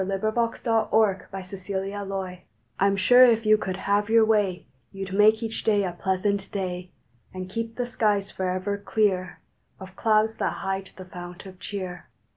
December Tenth THE WEATHER MAKER I M sure if you could have your way You d make each day a pleasant day, And keep the skies forever clear Of clouds that hide the fount of cheer.